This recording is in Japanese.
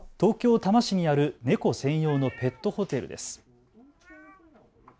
多摩市にある猫専用のペットホテルです。